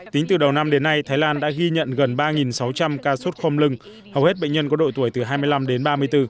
tính từ đầu năm đến nay thái lan đã ghi nhận gần ba sáu trăm linh ca sốt khôm lưng hầu hết bệnh nhân có độ tuổi từ hai mươi năm đến ba mươi bốn